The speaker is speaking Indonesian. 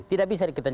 tidak bisa diketahui